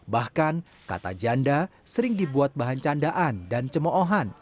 bahkan kata janda sering dibuat bahan candaan dan cemohan